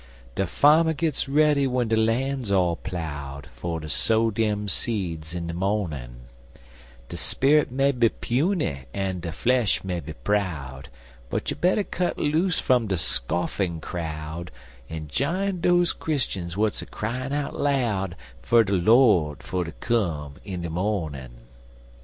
De farmer gits ready w'en de lan's all plowed For ter sow dem seeds in de mornin' De sperrit may be puny en de flesh may be proud, But you better cut loose fum de scoffin' crowd, En jine dose Christuns w'at's a cryin' out loud Fer de Lord fer ter come in de mornin'!